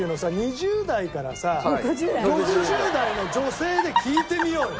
２０代からさ６０代の女性で聞いてみようよ。